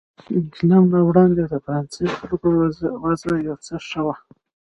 د انقلاب نه وړاندې د فرانسې د خلکو وضع یو څه ښه وه.